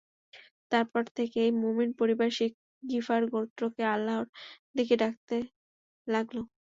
তারপর থেকে এই মুমিন পরিবার গিফার গোত্রকে আল্লাহর দিকে ডাকতে লাগল।